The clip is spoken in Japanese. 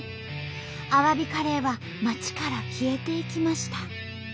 アワビカレーは町から消えていきました。